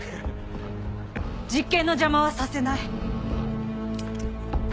実験の邪魔はさせない。